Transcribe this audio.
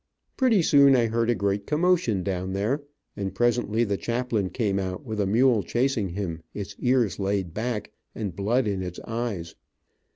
Pretty soon I heard a great commotion down there, and presently the chaplain came out with a mule chasing him, its ears laid back, and blood in its eyes.